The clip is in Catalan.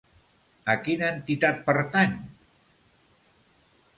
A quina entitat pertany?